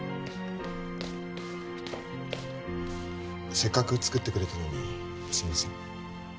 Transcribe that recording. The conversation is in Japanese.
せっかく作ってくれたのにすいません